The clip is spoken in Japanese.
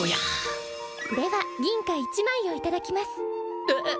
では銀貨１枚をいただきますえっ？